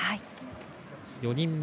４人目